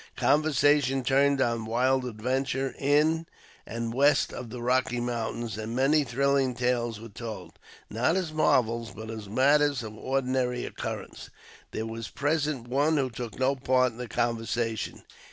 Conversation turned on wild adventure in and west of the Kocky Mountains, and many thrilling tales were told, not as marvels, but as matters of ordinary occurrence. There was present one who took no part in the conversation.